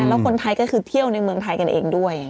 แล้วคนไทยก็คือเที่ยวในเมืองไทยกันเองด้วย